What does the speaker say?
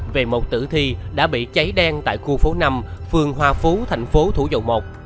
về một tử thi đã bị cháy đen tại khu phố năm phường hoa phú thành phố thủ dầu một